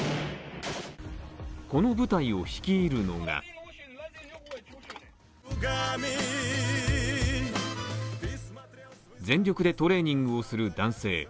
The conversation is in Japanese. この部隊を率いるのが全力でトレーニングをする男性。